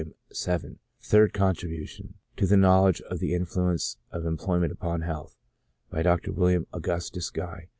vii : a " Third Contribu tion to the Knowledge of the Influence of Employments upon Health." By Dr. William Augustus Guy.